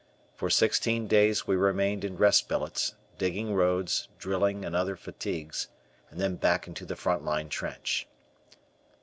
For sixteen days we remained in rest billets, digging roads, drilling, and other fatigues, and then back into the front line trench.